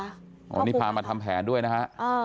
อันนี้พามาทำแผนด้วยนะฮะ